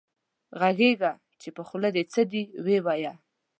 غږېږه چې په خولې دې څه دي وې وايه